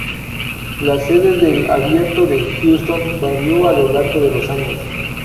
La sede del Abierto de Houston varió a lo largo de los años.